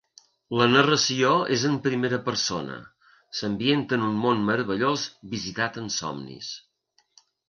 La narració és en primera persona, s'ambienta en un món meravellós visitat en somnis.